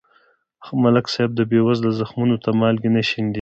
ملک صاحب د بېوزلو زخمونو ته مالګې نه شیندي.